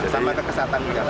sampai kekesatan juga